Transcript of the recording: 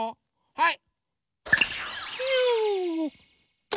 はい。